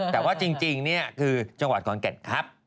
แต่ว่าจริงนี่คือจังหวัดขอนแก่นครับ